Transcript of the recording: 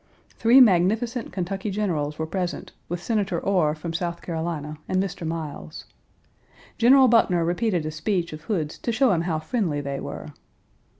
Three magnificent Kentucky generals were present, with Senator Orr from South Carolina, and Mr. Miles. General Buckner repeated a speech of Hood's to him to show how friendly they were.